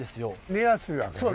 寝やすいわけね。